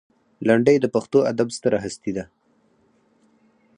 لنډۍ د پښتو ادب ستره هستي ده.